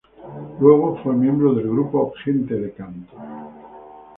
Luego fue miembro del grupo Gente de Canto.